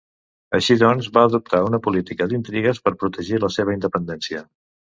Així doncs va adoptar una política d'intrigues per protegir la seva independència.